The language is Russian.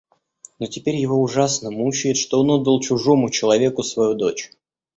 Но теперь его ужасно мучает, что он отдал чужому человеку свою дочь.